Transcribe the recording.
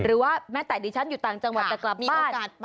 อาศัยสำคัญเป็นคนอยู่ต่างจังหวัดเพราะว่ามาไม่มีโอกาส